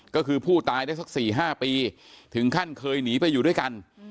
ก็คือผู้ตายได้สัก๔๕ปีถึงขั้นเคยหนีไปอยู่ด้วยกัน